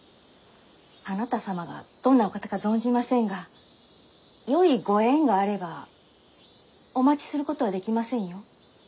あなた様がどんなお方か存じませんがよいご縁があればお待ちすることはできませんよ。